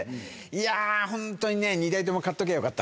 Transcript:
いや本当にね。